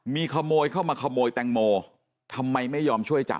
มีขโมยเข้ามาขโมยแตงโมทำไมไม่ยอมช่วยจับ